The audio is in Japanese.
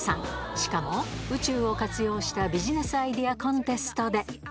しかも、宇宙を活用したビジネスアイデアコンテストで。